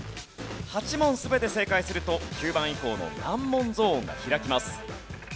８問全て正解すると９番以降の難問ゾーンが開きます。